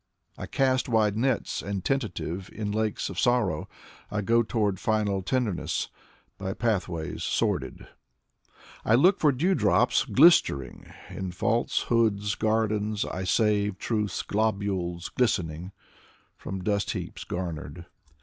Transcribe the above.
I cast wide nets and tentative In lakes of sorrow. I go toward final tenderness By pathways sordid. I look for dewdrops glistering In falsehood's gardens. I save truth's globules glistening, From dust heaps garnered.